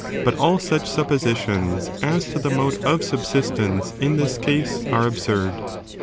But all such suppositions as to the mode of subsistence ip. this case are absurd.